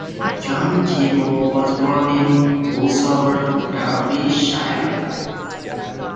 John Keeble was born in Bolsover, Derbyshire.